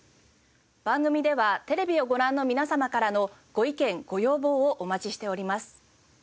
番組ではテレビをご覧の皆様からのご意見ご要望をお待ちしております。